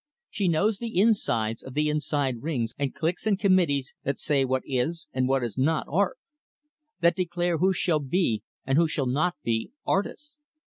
She knows the insides of the inside rings and cliques and committees that say what is, and what is not, art; that declare who shall be, and who shall not be, artists.